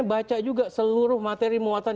baca juga seluruh materi muatan